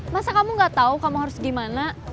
masa kamu enggak tau kamu harus gimana